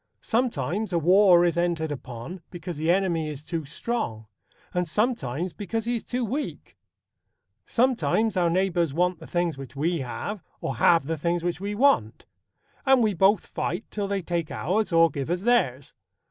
Sometimes a war is entered upon because the enemy is too strong, and sometimes because he is too weak. Sometimes our neighbours want the things which we have, or have the things which we want; and we both fight till they take ours or give us theirs.